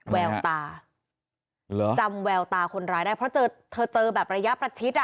แววตาเหรอจำแววตาคนร้ายได้เพราะเจอเธอเจอแบบระยะประชิดอ่ะ